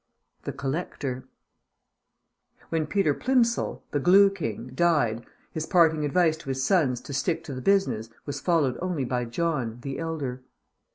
THE COLLECTOR When Peter Plimsoll, the Glue King, died, his parting advice to his sons to stick to the business was followed only by John, the elder.